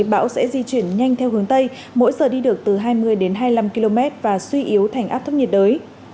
bão sẽ di chuyển nhanh theo hướng tây mỗi giờ đi được từ hai mươi đến hai mươi năm km và suy yếu thành áp thấp nhiệt đới